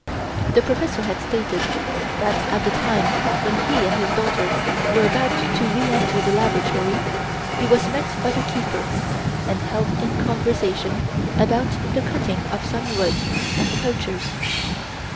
The professor had stated that at the time when he and his daughter were about to re enter the laboratory he was met by the keeper and held in conversation about the cutting of some wood and the poachers.